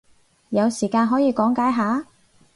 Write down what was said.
有時間可以講解下？